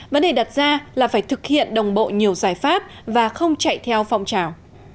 vấn đề đặt ra là phải thực hiện đồng bộ nhiều giải pháp và không chạy theo phong trào